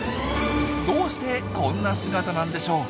どうしてこんな姿なんでしょう？